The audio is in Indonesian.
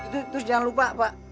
terus jangan lupa pak